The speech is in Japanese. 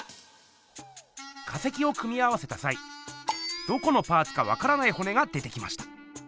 化石を組み合わせたさいどこのパーツかわからないほねが出てきました。